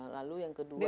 lalu yang kedua